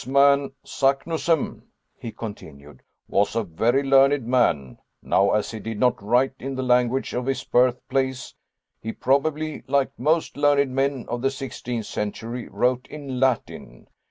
"This man Saknussemm," he continued, "was a very learned man: now as he did not write in the language of his birthplace, he probably, like most learned men of the sixteenth century, wrote in Latin.